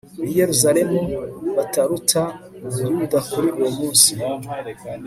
b i yerusalemu butaruta u buyuda kuri uwo munsi